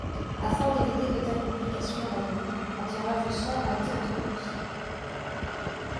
Afin d'éviter de telles complications à l'avenir, un tirage au sort a été introduit.